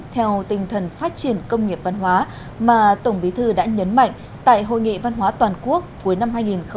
theo tinh thần phát triển công nghiệp văn hóa mà tổng bí thư đã nhấn mạnh tại hội nghị văn hóa toàn quốc cuối năm hai nghìn hai mươi